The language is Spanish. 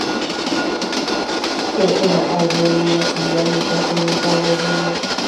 Fue una aerolínea filial de Continental Airlines.